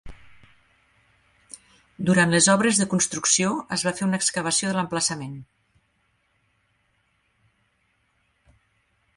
Durant les obres de construcció, es va fer una excavació de l"emplaçament.